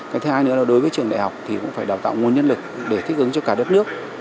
cái thứ hai nữa là đối với trường đại học thì cũng phải đào tạo nguồn nhân lực để thích ứng cho cả đất nước